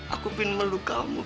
aku pengen melukamu